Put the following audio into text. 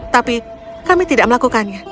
tapi kami tidak melakukannya